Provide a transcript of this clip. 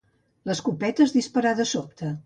L'escopeta es disparà de sobte.